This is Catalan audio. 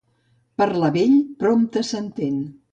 Parlar vell prompte s'entén.